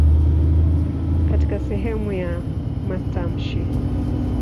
Katika sehemu ya matamshi.